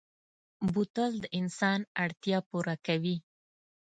بوتل د انسان اړتیا پوره کوي.